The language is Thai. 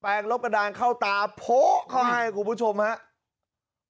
งลบกระดานเข้าตาโพะเข้าให้คุณผู้ชมครับ